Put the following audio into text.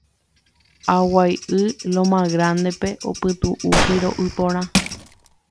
Aguaiʼy Loma Grandepe opytuʼu piroʼy porã.